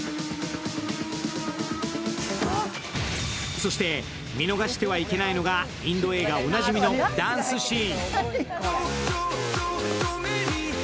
そして、見逃してはいけないのがインド映画おなじみのダンスシーン。